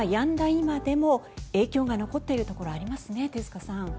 今でも影響が残っているところありますね、手塚さん。